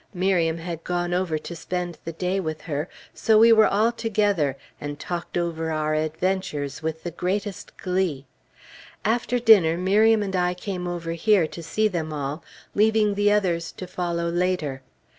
Miriam had gone over to spend the day with her, so we were all together, and talked over our adventures with the greatest glee. After dinner Miriam and I came over here to see them all, leaving the others to follow later.